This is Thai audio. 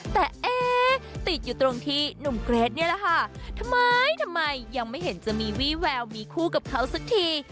แต่เอ๊ะติดอยู่ตรงที่หนุ่มเกรทนี่แหละค่ะทำไมทำไมยังไม่เห็นจะมีวี่แววมีคู่กับเขาสักที